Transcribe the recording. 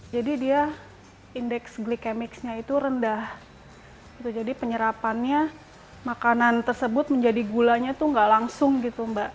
jadi dia indeks glikemiknya itu rendah jadi penyerapannya makanan tersebut menjadi gulanya itu gak langsung gitu mbak